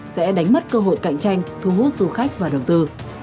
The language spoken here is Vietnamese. sẽ đánh mất cơ hội cạnh tranh thu hút du khách và đầu tư